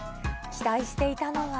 期待していたのは。